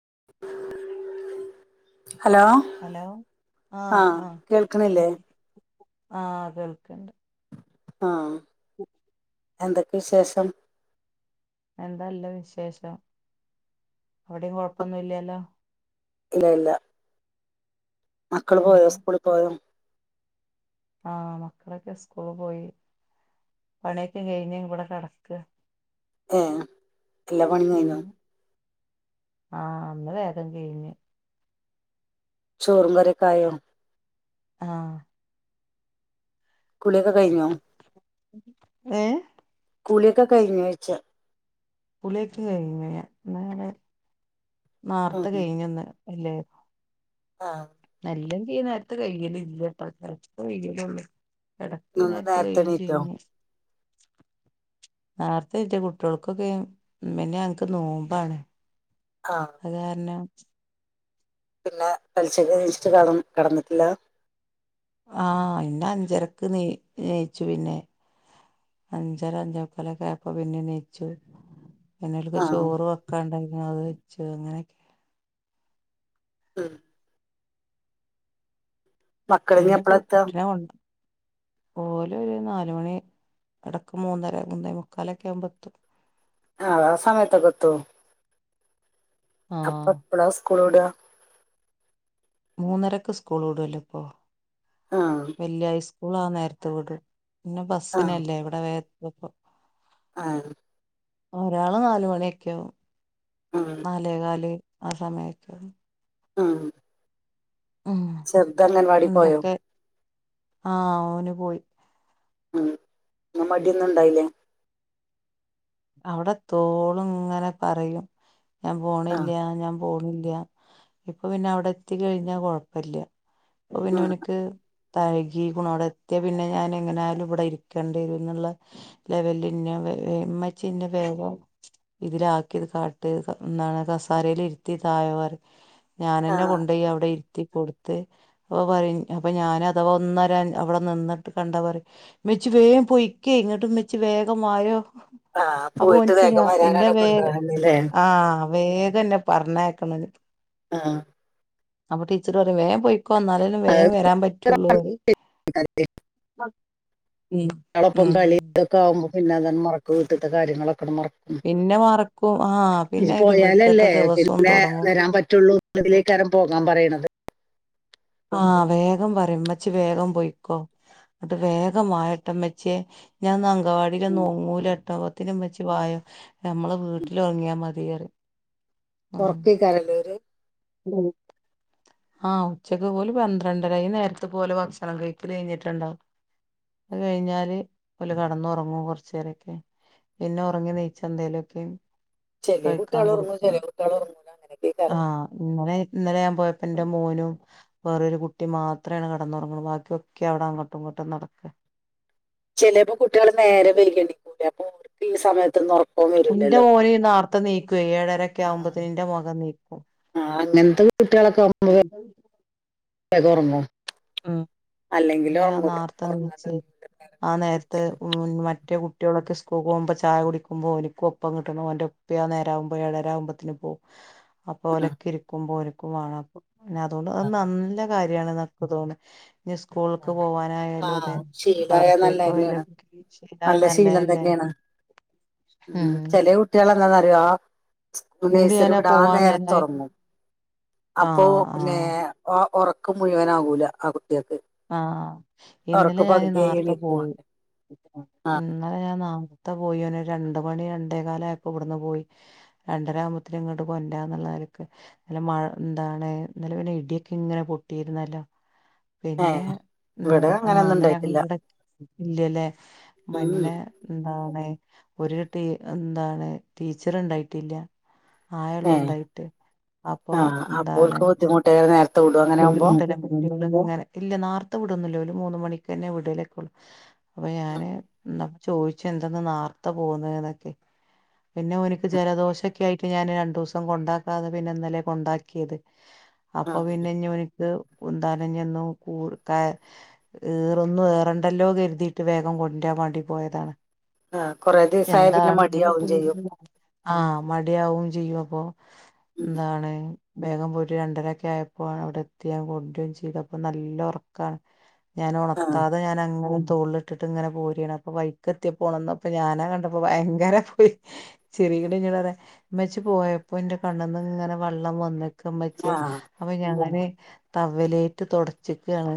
[inaudible] Hello ആഹ ആ ആഹ കേൾക്കണില്ലേ അ ആഹ് കേൾക്ക ആഹ ഉ [unintelligible] എന്തൊക്കെ വിശേഷം ന്താല്ലേ വിശേഷം അവിടെ കൊഴപ്പൊന്നുവില്ലെല്ലോ ഇല്ല ഇല്ല മക്കള് പോയോ സ്കൂളി പോയോ ആഹ മക്കളെക്കെ സ്കൂള് പോയി പണിയെക്കെ കഴിഞ്ഞ ഇവിടെ കെടക്വ ആഹാ ല്ലപണിയ ആഹ അന്ന് വേഗം കഴിഞ്ഞ് ചോറും കറിക്കെ ആയോ ആഹ കുളിയൊക്കെ കഴിഞ്ഞോ ഏഹ് കൂളിയൊക്കെ കഴിഞ്ഞാഴിച്ചെ പുളിക്കെഴിഞ്ഞ നാളെ നാർത്ത് ഉം കഴിഞ്ഞന്ന് അല്ലേ ആ ഇല്ലെങ്കി ഈ നേര്ത് കയ്യലില്യ പതക്കെ കയ്യലൊള്ളൂ ഇടക്ക് ഇ ഇന്നൊന്ന് നേര്തെ നേരത്തെ കൈയും എണീറ്റോ ചെയ്യു നേര്ത്തെ ഈറ്റെ കുട്ടിൾക്കൊക്കെ മിന്നെ ഞങ് ക്ക് നോമ്പാണ് ആ അതാര്ണം പിന്നെ പെൽചക് നീച്ചിട്ട് കെടം കെടന്നിട്ടില്ല ആ ഇന്ന അഞ്ചരക്ക് നീ നീച്ചു പിന്നെ അഞ്ചര അഞ്ചേഉക്കാലൊക്കെ ആയപ്പൊ പിന്നെ നീച്ചു പിന്നെഓല്ക്ക് ആ ചോറ് വെക്കാണ്ടായി ന്നെ അഹ് വെച്ച് അങ്ങനെയൊക്കെ ഉം മക്കള് ഇനി കൈഞ്ഞിട്ട് എപ്പളാ എത്താ കുട്ടിനെ കൊണ്ട ഓല് രു നാല് മണി എടക്ക് മൂന്നര മുന്നെ മുക്കാലൊക്കെ ആവുമ്പോ എത്തും ആഹ് സമയത്തൊക്കെത്തോ? ആഹ് അപ്പ പ്ളാ സ് ക്കൂള് വിടുക മൂന്നരക്ക് സ്കൂൾ വിടുല്ലോ ഇപ്പോ ആ വല്യയ് ളാ നേരത്ത് വിടും പിന്നെ ആ ബസ്സിനല്ലേ ഇവിടെ വേ [unintelligible] ആ ഒരാള് നാല് മണിയൊക്കെയാവും ഉം നാലേകാല് ആ സമയത്ത് ആഹ് ചെർത് അംഗൻവാടി പോയോ? എന്തൊക്കെ ആഹ് ഓന് പോയി ഉം ന്ന് മടിയൊന്നും ഉണ്ടായില്ലേ അവിടെ തോളും ഇങ്ങനെ പറയും ഞാൻ ആ പോണില്ല ഞാൻ പോണില്ല്യ ഇപ്പൊ പിന്നെ അവിടെ എത്തി കഴിഞ്ഞാ കൊഴപ്പല്ല്യ ഓ പിന്നെ ഉം ഓന്ക്ക് തഴകി ഗുണോടെ എത്തിയ പിന്നെ ഞാൻ എങ്ങനായാലും ഇവിടെ ഇരിക്കേണ്ടി വരും എന്നുള്ള ലെവലിൽ ഇന്നെ വേ മ ചിന്ന വേഗം ഇതിലാക്കി അത് കാട്ട് സ ആണ് കസാരേല് ഇര്ത്തിത്തായവർ ഞാനൻെന്നെ ആഹ് കൊണ്ടേയി അവിടെ ഇര് എത്തി കൊൊടുത്ത് അപ്പൊ പറ അപ്പൊ ഞാന അഥവാ ഒന്നരൻ അവിടെ നിന്നിട്ട് കണ്ടാ പറയും മെച്ച് വേഗം പൊയ്ക്ക ഇങ്ങോട്ട് മച്ച് വേഗമായരോ ആഹ പോയിട്ട് വേഗം വരാനാണ്െ കൊണ്ടരുന്നല്ലേ അന്നെ പറഞ്ഞേക്കണം ആഹ അപ്പൊ ടീച്ചർ പറയുവേ പോയിക്കോന്നാലേും വേഗ അത് വരാൻ പറ്റുള്ളൂ ളൊപ്പം കളി ഇതൊക്കെ ആവുമ്പോ പിന്നെ അൻ മറക്ക് വീട്ടത്തെ കാര്യങ്ങളൊക്കെ മറ ഉ പിന്നെ മറക്കും ആ ഇത് പിന്നെ പിറ്റത്തെ പോയാലല്ലേ ദിവസവും പിന്നെ തുടങ്ങും വരാൻ പറ്റുള്ളൂ ഇതിലേക്കാരം പോകാൻ പറയണത് ആഹ വേഗം പറയും മച്ച വേഗം പോൊയിക്കോ അട്ട് വേഗമായിട്ടമ്മച്ചേ ഞാൻ ഉം വാടിലന്നോങ്ങൂല എട്ടകത്തിും വ വായോ നമ്മളെ വീട്ടില ഉറങ്ങിയാ മതിയറി ഉറക്കിക്കാാരല്ലോ ഒരു ഉ ആഹ ഉച്ചക്ക് പോലെ പന്ത്രണ്ടരായി നേരത്തെ പോലെ ഭക്ഷണം കഴിക്ക കഴിഞ്ഞിട്ടുണ്ടാവും അത് കഴിഞ്ഞാല് പോ കടന്ന ഉറങ്ങും കുറച്ചു നേേരൊക്കെ പിന്നെ ഉറങ്ങി നെയയിച്ച എന്തേലുംൊക്കെ ചെലെ കഴിക്കാൻ കുട്ടികൾ ഉറങ്ങും കൊടുക്കും ചെലെ കുട്ടികൾ ഉറങ്ങൂല അങ്ങനെയൊക്കെക്കാരം ആഹ ഇന്നലെ ഇന്നലെ ഞാൻ പോയ അപ്പ എന്റെ മോനും വേറൊരു കുട്ടി മാത്രോണ് കടന്നുറങ്ങുന്നത് ബാക്കിയൊക്കെ അവിടെ അങ്ങോട്ടും ഇങ്ങോട്ടും നടക്ക ചിലപ്പോ കുട്ടികൾ നേരെ വരികണ്ടിക്കൂല അപ്പൊ ഈ സമയത്ത് നോക്ക നിന്റെ മോന ഈ നാർത്തത്തെ നീക്കു ഏഴരൊക്കെ ആവുമ്പോത്തേ നിന്റെ മുഖം നീക്കും ആ അങ്ങനത്തെ വീട്ടികളൊക്കെുമ്പ വേഗം ഉറങ്ങും മ്മ് അല്ലെങ്കിൽ പിന്നെ ഞാൻ ഉറങ്ങൂല നാർത്തെ ഉറങ്ങാൻ എണീച്ചെ കഴിയൂല നേരം ആ വൈകി നേരത്ത് എണീച്ചാ എറ്റ കുട്ടികളൊക്കെ സ്കൂൾ പോകുമ്പോ ചായ കുടിക്കുമ്പോ ഓനിക്ക് ഒപ്പം കിട്ടണം ഓന്റെ ഉപ്പയും ആ നേരം ആകുമ്പോ എഴരാവുമ്പോത്തിന് പോകും അപ്പോ ഓലൊക്കെ ഇരിക്കുമ്പോ ഒരു ക്കും വേണമപ്പോ അന്നെ അതുകൊണ്ട് അത് ആഹ് നല്ല കാര്യ അനക്ക് തോന്നും പിന്നെ സ്‌കൂള് സ്കൂള്ക്ക് ആഹ് പോവാനായാലും അതെ ആഹ് ശീലായ നല്ല അവർത്തേക്ക് തന്നെയാണ് പോയാലും ശീലായാൽ നല്ല ശീലം നല്ലല്ലേ തന്നെയാണ് മ്മ് എന്താന്ന് അറിയുവോ നഴ്സറി വിടാൻ പോവാൻ നേരത്ത് നേരായി ഉറങ്ങും അപ്പൊ ആഹ് പിന്നെ ആഹ് ഉറ ഉറ ഒറക്കം മുഴുവനാകൂല ആ കുട്ടികൾക്ക് ആഹ് ഒറക്ക ഇന്നലെ ഞാൻ പകുതിയായി നേർത്തെ എണീക്കും പോയി വാണ്ടേ ആഹ് ഇന്നലെ ഞാൻ ന ഇത്താത്ത പോയിന് രണ്ട് മണി രണ്ടേ കാലയപ്പോ ഇവിടുന്ന് പോയി രണ്ടര ആകുമ്പത്തിന് ഇങ്ങോട്ട് കൊണ്ടാന്നുള്ളക്ക് നല്ല മഴ എന്താണ് നല്ല പിന്നെ ഇടിയൊക്കെ ഇങ്ങനെ പൊട്ടിയിരുന്നല്ലോ പിന്നെ ഏഹ് ഇവിടെ മ്ഹ് ആഹ് അങ്ങനൊന്നും ഇന്നലെ ഞങ്ങള് ഉണ്ടായിട്ടില്ല ഇവിടെ ഇല്യല്ലേ മഞ്ഞ ഉം എന്താണ്. ഒരു ടീ എന്താണ് ടീച്ചറ് ഉണ്ടായിട്ടില്ല ആയ ഉള്ളു ഏഹ് ഉണ്ടായിട്ട് അപ്പൊ ആഹ് എന്താണ്. അപ്പോൽക്ക് ബുദ്ധിമുട്ടേറെ നേരത്തെ വിടോ അങ്ങനെ ആവുമ്പോ [unintelligible] [unintelligible] ന്നങ്ങനെ ഇല്ല ന്നാർത്തെ വിടൊന്നുല്ല ഓല് മൂന്ന് മണിക്കന്നെ വിടലേക്കൊള്ളു അപ്പൊ ഞാന് എന്ന ചോയ്ച്ചു എന്തെന്ന് ന്നാർത്തെ പോന്നെന്ന് പി പിന്നെ ഓനിക്ക് ജലദോഷൊക്കെ ആയിട്ട് ഞാന് രണ്ടൂസം കൊണ്ടാക്കാതെ പിന്നെ ഇന്നലെ കൊണ്ടാക്കിയത് അപ്പൊ ആഹ് പിന്നെഞ്ഞി ഓന്ക്ക് കുന്താനഞ്ഞൊന്നും കൂ കര് ഏറൊന്നും ഏറണ്ടല്ലോ കര്തീയിട്ട് വേഗം കൊറ്റാൻ വേണ്ടി പോയതാണ് ആഹ് കൊറെ ദിവസായ പിന്നെ മടിയാവും ചെയ്യും എന്താണ് ആഹ് മടിയാവും ചെയ്യും അപ്പൊ ഉം എന്താണ് വേഗം പോയിട്ട് രണ്ടരെക്കെ ആയപ്പ് പ്പോ അവ്ടെ എത്ത്യാ കൊണ്ട് ചെയ്ത്പ്പോ നല്ല ഉറക്കാണ് ഞാൻ ആഹ് ഉണത്താതെ ഞാൻ അങ്ങനെ തോളില്ട്ടിട്ട് ഇങ്ങനെ പോര്യാെണ് അപ്പ വൈക്ക് എത്തിയപ്പോ ഒണർന്നപ്പോ ഞാനാ കണ്ടപ്പോ ഭയങ്കര ഒയി ചെറിയത് എന്നോട് പറയാ ഉമ്മച്ചി പോയപ്പോ എന്റെ കണ്ണ്ന്ന് ഇങ്ങനെ വെള്ളം വന്ന് കമ്മച്ചിയെ ആഹ് അങ്ങനെ തവേലേറ്റ് തുടച്ചിക്കാണ്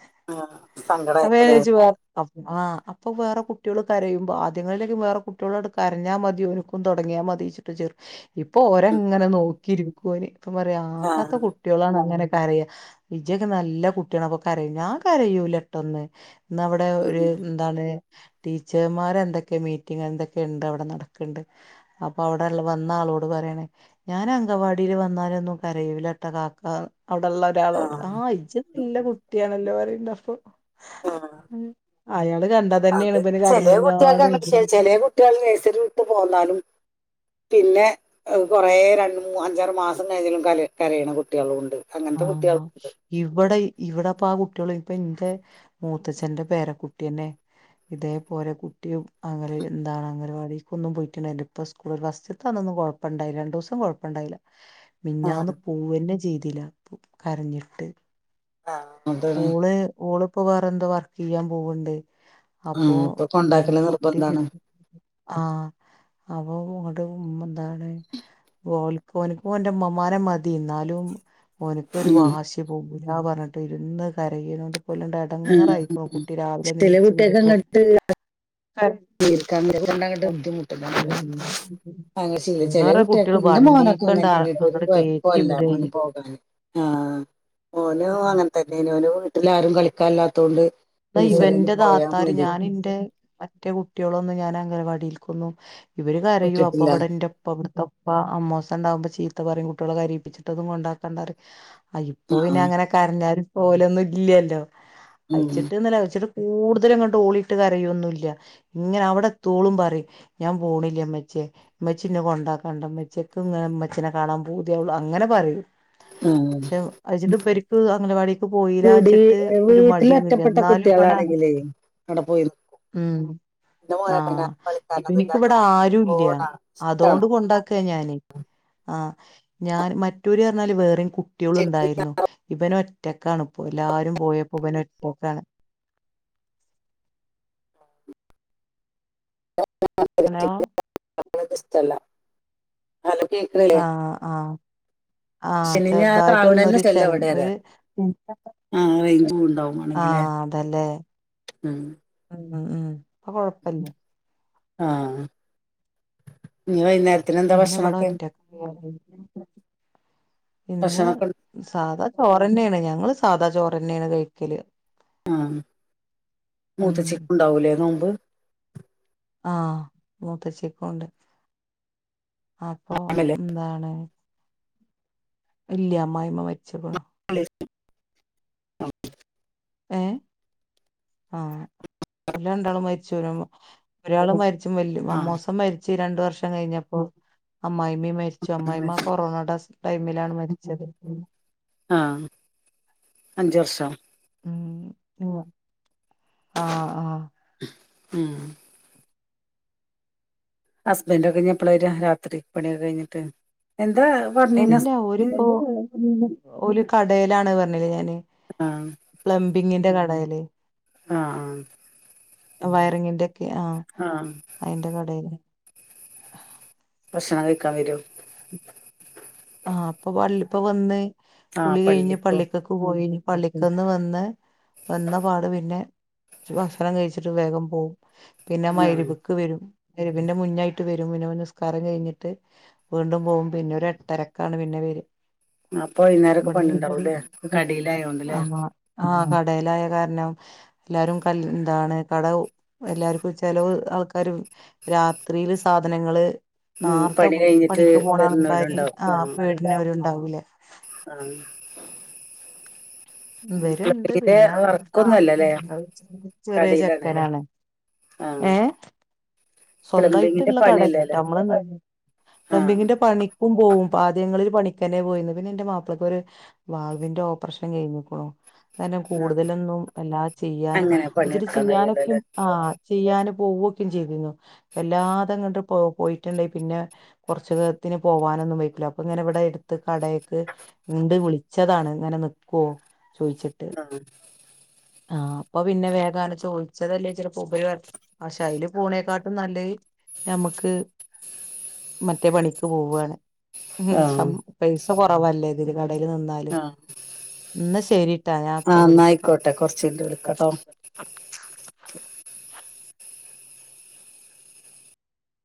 ആ [unintelligible] ആഹ് അപ്പൊ വേറെ കുട്ടികൾ കരയുമ്പോ ആദ്യങ്ങളിലേക്കെ വേറെ കുട്ടികളോട് കരഞ്ഞാ മതിയോന്ക്കും തുടങ്ങിയാ മതി ഇച്ചിട്ട് ചേറും ഉം ഇപ്പൊഓരെങ്ങനെ നോ കിരുവ് കോല് ഇപ്പം പറയാ ആകാത്ത ആഹ് കുട്ടിയോളാണ് അങ്ങനെെ റയ വിജയ്ക്കെ നല്ല കുട്ടിയണപ്പൊ കര ഞാ കരയൂല. പട്ടന്ന് ഇന്ന് അവിടെ ഒരു ഉം ന്താണ് ടീച്ചമാര് എന്തൊക്കെ മീറ്റിംങ് എന്തൊക്കെ ഉണ്ട് അവിടെ നടക്കണ്ട് അപ്പൊ അവിടെ വന്ന ആളോട് പറയണേ ഞാൻ അങ്കവാടിൽ വന്നാലൊന്നും കരയൂലാട്ട കാക്ക അവിടെള്ള ഒരാളോട് ആ ആഹ് ഇജ്ജ് ഇല്ല കുട്ടിയാണല്ലോ പറയ്ണ്ട് അപ്പൊ ആ അയാള് കണ്ടാ അത് തന്നെയാണ് ഇവന് ചെലേ കുട്ടികൾക്ക് കരഞ്ഞിങ്ങാണ്ട് അങ്ങന നിക്കുന്നത് ചെലേ കുട്ടികൾ നേഴ്സറി വിട്ട് പോന്നാലും പിന്നെ കുറെേ രണ്ട് മൂ അഞ്ചാറ് മാസം കഴിഞ്ഞാലും കര കരയണ കുട്ടിയളുണ്ട് ആഹ് ആഹ് ഇവിടെ ഇവിടെപ്പൊ ആ കുട്ടികള് ഇപ്പ എന്റെ മൂത്തച്ഛന്റെ പേര കുട്ടിയനെ ഇതേപോലെ കുട്ടിയും അങ്ങനെ എന്താണ് അംഗനവാടിക്ക് ഒന്നും പോയിട്ടുണ്ടായില്ല ഇപ്പ സ്കൂള ഒരു ഫസ്റ്റ്‌തന്ന് അന്നൊന്നും കൊഴപ്പ ഇണ്ടായി രണ്ടു ദിവസം കൊഴപ്പ ഇണ്ടായില്ല ആ, മിഞ്ഞാന്ന് പൂവന്നെ ചെയ്തിലാ കരഞ്ഞിട്ട് ആ അന്താണ് ഇപ്പൊ വേറെ എന്തോ വർക്ക് ചെയ്യാൻ പോവ്ണ്ട് ഉം, അപ്പൊ ഇപ്പൊ എന്താണ് കൊണ്ടാക്കല് പൊട്ടി വി നിർബന്ധാണ് ആ അപ്പൊ ഇങ്ങോട്ട് മ് എന്താണ് ഓല്ക്ക് ഓന്ക്ക് എനിക്കും എന്റെ ഉമമാനെ മതി എന്നാലും ഓന്ക്ക് ഒരു ഉം, വാശി പോകുമ്പ ഞാ പറഞ്ഞിട്ട് ഇരുന്ന് കരയിണ് ണ്ട് പുല്ല്ണ്ടായിട്ട് ഉം. എടങ്ങാറായി ഇപ്പോ കുട്ടി രാവിലെ എണീച്ചു വരുമ്പോ തീർങ്ങ ബുദ്ധിമുട്ട അനെ ചെ വേറെ കുട്ടികൾക്ക കുട്ടികള് എന്റെ മോനൊക്കെ വണ്ടീക്കണ്ട് അങ്ങനട്ട ഒരു അങ്ങട് കേറ്റി കുഴപ്പല്ലന വിടയ്യ പോക [unintelligible] ആ ഓന് അങ്ങനെ തന്നെ ന് വീട്ട എല്ലാരും കളിക്കാല്ലാത്തോണ്ട് അ ഇവന്റെതാത്താര് ഞാനിന്റെ മറ്റേ കുട്ടിയോളൊന്നും ഞാൻ അംഗനവാടിയിൽക്കൊന്നും ഇവര് കരയോ അപ്പൊ വിട്ടിട്ടില്ല ഇവിടെന്റെപ്പ അവിടത്തെപ്പ അമ്മോസ് ഉണ്ടാകുമ്പോ ചീ ഇക്കപറയും കുട്ടികളെ കരിപ്പിച്ചിഒന്നും കൊണ്ടാക്കണ്ടാറിം അഹ് ഇപ്പൊ പിന്നെ ആഹ് അങ്ങനെ കരഞ്ഞാലും ഓലൊന്നും ഇല്ല്യല്ലോ ഉം ച്ചീരി കൂടുതല്ങ്ങട്ട് ഓളിട്ട് കരയൊന്നുല്ല ഇങ്ങനെ അവ്ടെ എത്തോളും പറയും ഞാൻ പോണ്ല്ലമ്മച്ചേ ഇമ്മച്ചി ഇന്നെ കൊണ്ടാക്കണ്ട ഇമ്മച്ചെ ഇൻക്ക്ങ്ങനെ ഇമ്മച്ചിനെ കാണാൻ പോതിയാവോള്ളൂ അങ്ങനെ പറയും ആഹ് പക്ഷെ അജ്ന്റെ ഉപ്പേരിക്ക് അംഗനവാടിക്ക് കുടി പോയിലാച്ച്ട്ട് ഒരു വീട്ടില് മടിയൊന്നുംല്ല ണ്ട് ഒറ്റപ്പെട്ട ന്നാലും ബടെ കുട്ടികളാണെങ്കിലേ അവിടെ പോയി നിക്കും. ഹ് എന്റെ മോനൊക്കെ ആഹ് ഞാൻ കളിക്കാനൊന്നും ഇവൻക്ക് വടെ ഇല്ലാത്തോണ്ട് ഓന് ആരുല്ല ഫോണാണ് ഇഷ്ടാണ് അതോണ്ട് കൊണ്ടാക്കാ ഞാന് ആഹ് ഞാന് മറ്റൊര് അർഞ്ഞാ വെ [inaudible] കുട്ട്യോള് ശനി ഉണ്ടായിരുന്നു ഇവന് ഒ ഒറ്റക്കാണ് ഇപ്പോ എല്ലാരും പോയപ്പോ ഇവന് പോക്കാണ് [unintelligible] ഹലോ കേക്കണില്ലേ ആഹ് ആഹ് ആഹ ശനി ഞായറും ആവണന്നെ ചെറുതായിട്ടൊന്നരു ഇഷ്ടല്ല ചരം ഇവിടെ പറയാ ഒരു ആഹ് റേഞ്ച് ഉണ്ടാവും വേണെങ്കിലേ ആഹ അതല്ലേ ഉം ഉം ഉം അപ്പൊ കൊഴപ്പല്ലേ ആഹ ന വൈന്നേര പിന്നെ ഇവിടെ ഒറ്റ പിന്നെ ഭക്ഷണൊക്കെ സാധാ ചോറ്ന്നെയാണ് ഞങ്ങള് സാധാ ചോറ്ന്നെയാണ് കഴിക്കല് ആ ഉം മൂത്തച്ചക്ക്ണ്ടാവൂലേ നോ മ്പ് ആഹ മൂത്തഛക്കണ്ട് അപ്പൊ ആണല്ലേ? എന്താണ് ഇല്ല അമായിമ്മ മരിച്ച് ക്ണ് ആ ഏ ആ അല്ല രണ്ടാളും മരിച്ചു ഒരാള് മ ആഹ് മോസം മരിച്ചു രണ്ട വ കഴിഞ്ഞപ്പോ അമ്മായി മ്മ മരിച്ചോ അമ്മ്മ്മ കൊറോണ ടൈമിലാണ് മരിച്ചത് ആഹ അഞ്ച വർഷം ഉ ഉ അ അ ആഹ ഹസ്ബൻഡ കെഴിഞ്ഞപ്പള വര് രാത്രി പണിയൊക്കെ കഴിഞ്ഞിട്ട് എ എല്ലാ ഒരുപ്പോ ഒരു കടലാണ് പറഞ്ഞല് ഞാന് ആ പ്ലംബിങ്ങിന്റെ കട ല്ലേ ആഹ് ആഹ് വയറിങ്ങിന്റെ ആഹ് അയിന്റെ കടേൽ ഭക്ഷണം കഴിക്കാൻ വരോ ആഹ് അപ്പൊ വള്ളിപ്പൊ വന്നെ ആ കുളി കഴിഞ്ഞ് പള്ളിക്കോ പള്ളിക്കക്ക്‌ പോയിന് പള്ളിക്ന്ന് വന്ന് വന്നപടെ പിന്നെ ഭക്ഷണം കഴിച്ചിട്ട് വേഗം പോകും പിന്നെ ആ [unintelligible] വരും മഹ്രിബിന്റെ മുന്നായിട്ട് വരും പിന്നെ വന്നു നിസ്കാരം കഴിഞ്ഞിട്ട് വീണ്ടും പോകും പിന്നെ എട്ടരക്കാണ് പിന്നെ വരാ അപ്പൊ വൈകുന്നേരൊക്കെ പണിയുണ്ടാവല്ലേ കടയില് ആയോണ്ടല്ലേ ആഹ് ആഹ് കടേലായ കാരണം എല്ലാരും കല് ന്താണ് കട എല്ലാർക്കും ചിലവ് ആൾക്കാര് രാത്രിയില് സാധനങ്ങള് ഉമ് നാർത്തെ പണി കഴിഞ്ഞിട്ട് പണിക്ക് പോണ വരുന്നോലും ആൾക്കാരി ഉണ്ടാവും ആ ആഹ് പേരിന് അവരുണ്ടാവൂലേ ആ മ് വര്ണ്ട്‌ പ്ലംബിങ്ങിന്റെ പിന്നെ വർക്കൊന്നും അല്ലല്ലേ ആഹ് കടയിലാണല്ലേ ചെറിയചെക്കനാണ് ആ ങേ പ്ലംബിങ്ങിന്റെ സ്വന്തായിട്ടിള്ള കട അല്ലാട്ട പണിയല്ലേല്ലേ നമ്മള് ആ പ്ലംബിങ്ങിന്റെ പണിക്കും പോവും പാദ്യങ്ങളിൽ പണി ക്കന്നെ പോയിന്ന പിന്നെ ന്റെ മാപ്പിളക്ക് ഒരു വാൾവിന്റെ ഓപ്പറേഷൻ കഴിഞ്ഞികോണു കാരണം ആ കൂടുതലൊന്നും എല്ലാ ചെയ്യാനും അങ്ങനെ ഇച്ചിരി പണിയെടുക്കാൻ ചെയ്യാനൊക്കും കഴിയൂലല്ലേ ആ ചെയ്യാനും പോവൊക്കേം ചെയ്തിഞൊ വല്ലാതെ അങ്ങട്ട് പോ പോയിട്ടിണ്ടെ പിന്നെ കൊറച് നേരത്തിന് പോവാനൊന്നും വയ്യ് ക്കില്ല അപ്പൊ ഇങ്ങനെ ഇവിടെ എടുത്ത് കടയ്ക് ഇണ്ട് വിളിച്ചതാണ് ഇങ്ങനെ നിക്കുവോ ആഹ് ആഹ് അപ്പൊ പിന്നെ വേഗങ്ങനെ ചോദിച്ചതല്ലേ ചിലപ്പോ മൂപ്പര് പറഞ്ഞു ക്ഷെ അയില് പോണേകാട്ടി നല്ലത് ഞമ്മക്ക് മറ്റേ പണിക്ക് പോവാണ് ഉമ് ആ ശം പൈസ കൊറവാല്ലേ വരുവ നന്നാകല് ആ ന്ന ശെ [unintelligible] ശരി ട്ട ഞാൻ ആ അപ്പൊ വിളിക്ക എന്നായിക്കോട്ടെ കൊറച്ച് കഴിഞ്ഞിട്ട് വിളിക്കാട്ടോ